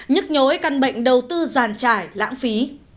nhức nhối căn bệnh đầu tư giàn trải lãng phí